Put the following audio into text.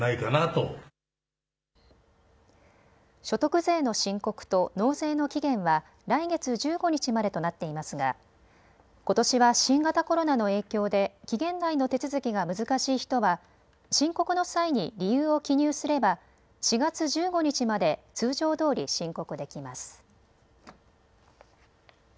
所得税の申告と納税の期限は来月１５日までとなっていますがことしは新型コロナの影響で期限内の手続きが難しい人は申告の際に理由を記入すれば４月１５日まで通常どおり申告できます。